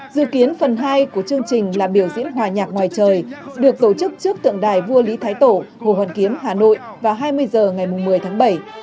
dự kiến phần hai của chương trình là biểu diễn hòa nhạc ngoài trời được tổ chức trước tượng đài vua lý thái tổ hồ hoàn kiếm hà nội vào hai mươi h ngày một mươi tháng bảy